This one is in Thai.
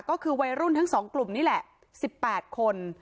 ก็คือวัยรุ่นทั้ง๒กลุ่มนี่แหละ๑๘คน